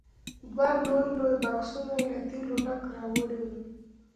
دوه لوی لوی بکسونه یې له تېلو ډک راوړي وو.